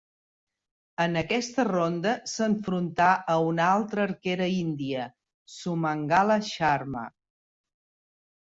En aquesta ronda, s'enfrontà a una altra arquera índia, Sumangala Sharma.